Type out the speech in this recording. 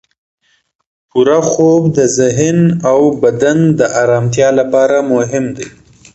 پوره خوب د ذهن او بدن د ارامتیا لپاره مهم دی.